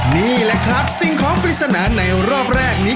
นี่แหละครับสิ่งของปริศนาในรอบแรกนี้